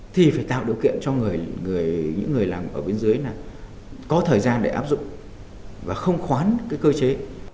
thì phải tạo điều kiện cho những người làm ở bên dưới là có thời gian để áp dụng và không khoán cơ chế